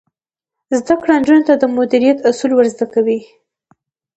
زده کړه نجونو ته د مدیریت اصول ور زده کوي.